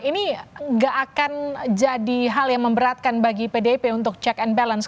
ini nggak akan jadi hal yang memberatkan bagi pdip untuk check and balance